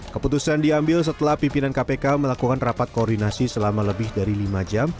keputusan diambil setelah pimpinan kpk melakukan rapat koordinasi selama lebih dari lima jam